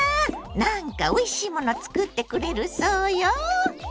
なんかおいしいもの作ってくれるそうよ！